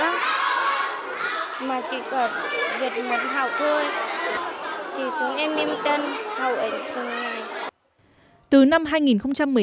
mà chỉ có việc mất học thôi thì chúng em đừng tân học ở trường này